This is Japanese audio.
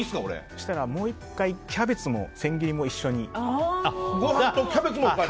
そうしたら、もう１回キャベツの千切りも一緒に。